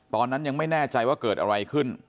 ตอนนั้นยังไม่แน่ใจว่าเกิดอะไรขึ้น